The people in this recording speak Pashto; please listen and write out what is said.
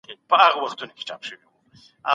صحابه وو پخپل منځ کي خاصه مينه او درناوی درلود